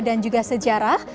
dan juga sejarah